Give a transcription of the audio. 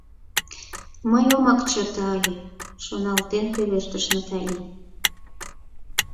Мый омак чыте ыле, — шоналтен пелештыш Натали.